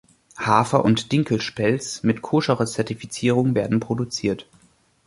Hafer und Dinkelspelz mit koscherer Zertifizierung werden produziert.